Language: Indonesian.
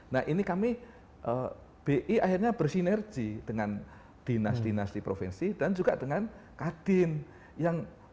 nah ini kami bi akhirnya bersinergi dengan dinas dinasi provinsi dan juga dengan kadin